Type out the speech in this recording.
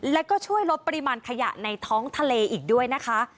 แล้วก็ช่วยลดปริมาณขยะในท้องทะเลอีกด้วยนะคะ